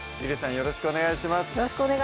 よろしくお願いします